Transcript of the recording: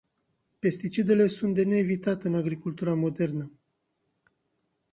Pesticidele sunt de neevitat în agricultura modernă.